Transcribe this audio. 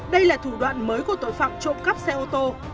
đây là thủ đoạn mới của tội phạm trộm cắp xe ô tô